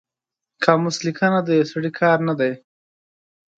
قاموس لیکنه د یو سړي کار نه دی